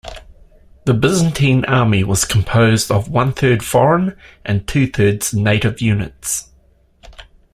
The Byzantine army was composed of one-third foreign and two-thirds native units.